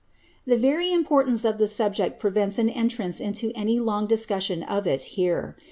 The very importance of the subject prevents an entrance into any long discussion of it here.